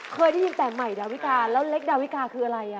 เคยได้ยินแต่ใหม่ดาวิกาแล้วเล็กดาวิกาคืออะไร